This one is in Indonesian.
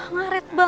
nah kita balik